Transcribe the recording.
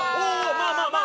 まあまあまあ。